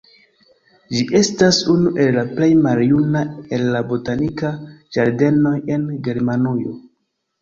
Ĝi estas unu el la plej maljuna el la botanikaj ĝardenoj en Germanujo.